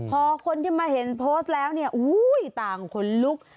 พอคนที่มาเห็นโพสต์แล้วเนี่ยต่างคนลุก